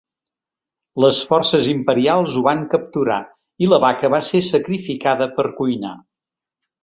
Les forces imperials ho van capturar i la vaca va ser sacrificada per cuinar.